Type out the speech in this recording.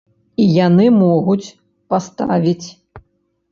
І яны могуць паставіць.